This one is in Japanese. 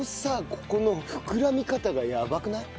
ここの膨らみ方がやばくない？